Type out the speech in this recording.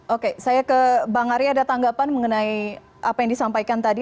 oke saya ke bang arya ada tanggapan mengenai apa yang disampaikan tadi